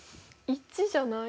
０じゃない？